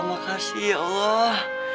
makasih ya allah